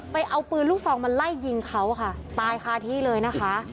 ไปเอาปืนลูกซองมาไล่ยิงเขาอะค่ะตายคาที่เลยนะคะ